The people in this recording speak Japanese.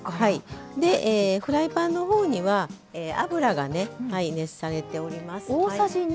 フライパンのほうには油が熱されております。